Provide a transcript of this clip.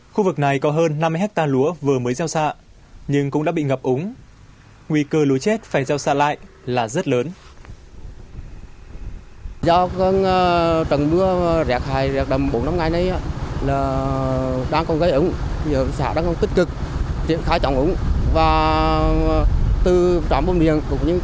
khu vực này có hơn năm mươi hectare lúa vừa mới gieo xạ nhưng cũng đã bị ngập úng nguy cơ lúa chết phải gieo xa lại là rất lớn